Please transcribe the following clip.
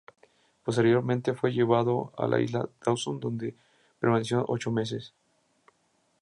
Posteriormente fue llevado a la isla Dawson, donde permaneció ocho meses.